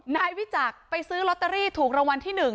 นายวิจักรไปซื้อลอตเตอรี่ถูกรางวัลที่๑